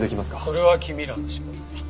それは君らの仕事だ。